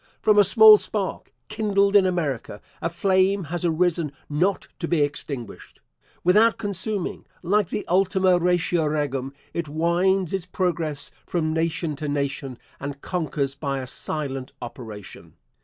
From a small spark, kindled in America, a flame has arisen not to be extinguished. Without consuming, like the Ultima Ratio Regum, it winds its progress from nation to nation, and conquers by a silent operation.